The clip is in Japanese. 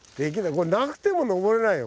これなくても登れないよ。